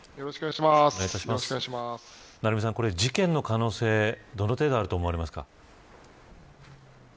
成三さん、事件の可能性どれぐらいあると思いますか。